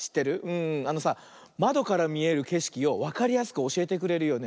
あのさまどからみえるけしきをわかりやすくおしえてくれるよね。